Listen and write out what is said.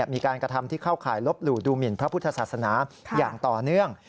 มีการกระทำที่เข้าข่ายลบหลู่ดูหมินพระพุทธศาสนาอย่างต่อเนื่อง